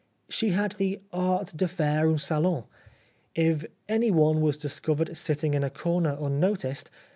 She had the art de /aire un salon. If anyone was discovered sitting in a corner un noticed.